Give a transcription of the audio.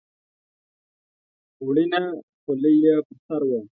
وړینه خولۍ یې پر سر وه.